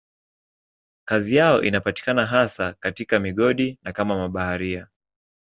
Kazi yao inapatikana hasa katika migodi na kama mabaharia.